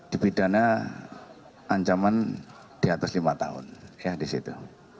dipidana ancaman di atas lima tahun ya di situ